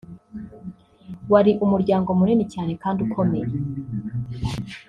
wari umuryango munini cyane kandi ukomeye